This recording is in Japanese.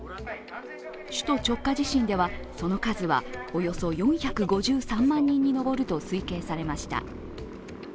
首都直下地震ではその数はおよそ４５３万人に上ると推計されました。